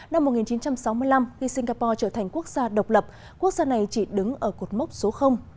năm một nghìn chín trăm sáu mươi năm khi singapore trở thành quốc gia độc lập quốc gia này chỉ đứng ở cột mốc số